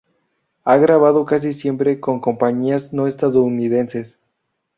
Ha grabado casi siempre con compañías no estadounidenses.